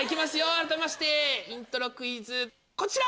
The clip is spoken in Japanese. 改めましてイントロクイズこちら！